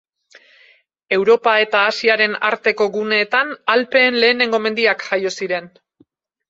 Europa eta Asiaren arteko guneetan, Alpeen lehenengo mendiak jaio ziren.